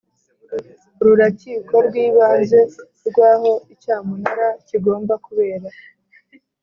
Ururkiko rw Ibanze rw aho icyamunara kigomba kubera